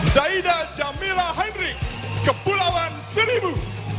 zaidah jamila hendrik kepulauan seribu